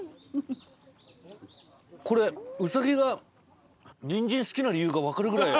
これウサギがニンジン好きな理由が分かるぐらい。